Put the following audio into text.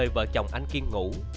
và chồng anh kiên ngủ